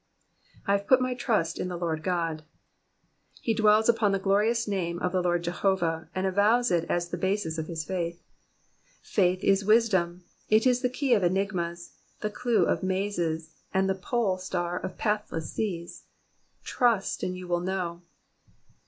/ have put my trust in the Lord Qod,^"* He dwells upon the glorious name of the Lord Jehovah, and avows it as the basis of his faith. Faith is wisdom ; it is the key of Digitized by VjOOQIC PSALM THE SEVEXTY THIRD. 347 enigmas, the clue of mazes, and the pole star of pathless seas. Trust and you will know.